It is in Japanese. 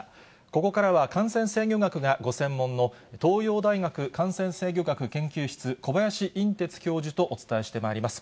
ここからは感染制御学がご専門の、東邦大学感染制御学研究室、小林寅てつ教授とお伝えしてまいります。